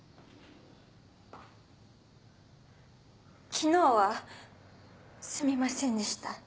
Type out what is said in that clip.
昨日はすみませんでした。